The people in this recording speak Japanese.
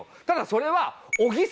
ただそれは。